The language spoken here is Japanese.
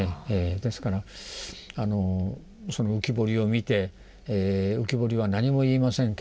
ですからその浮き彫りを見て浮き彫りは何も言いませんけれども。